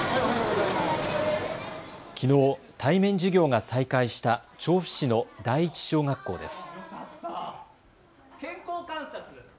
きのう対面授業が再開した調布市の第一小学校です。